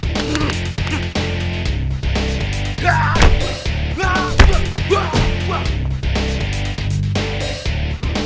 kenapa sih lo tuh gak mau dengerin kata kata gue